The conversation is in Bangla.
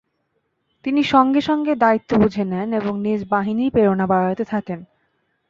তিনি সঙ্গে সঙ্গে দায়িত্ব বুঝে নেন এবং নিজ বাহিনীর প্রেরণা বাড়াতে থাকেন।